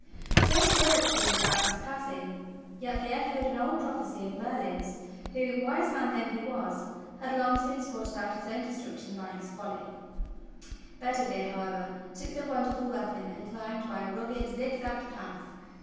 Strange words these about his passing, yet they echoed an old prophecy of Merlin's who, wise man though he was, had long since brought about his own destruction by his foll3^ Bedivere, however, took the wonderful weapon and climbed by a rugged, zigzaged path until he reached the shining levels of the lake.